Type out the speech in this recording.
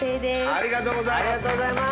ありがとうございます。